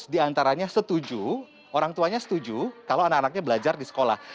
lima belas diantaranya setuju orang tuanya setuju kalau anak anaknya belajar di sekolah